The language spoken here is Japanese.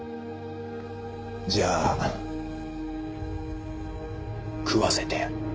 じゃあ食わせてやる。